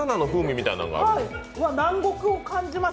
はい、南国を感じます。